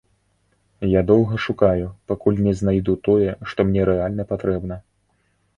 Я доўга шукаю, пакуль не знайду тое, што мне рэальна патрэбна.